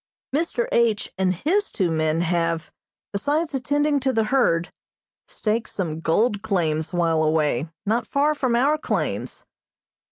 Mr. H. and his two men have, besides attending to the herd, staked some gold claims while away, not far from our claims.